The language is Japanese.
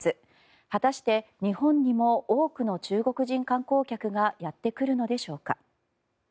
果たして、日本にも多くの中国人観光客がやってくるのでしょうか。